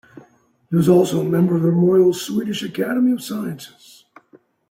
He was also a member of the Royal Swedish Academy of Sciences.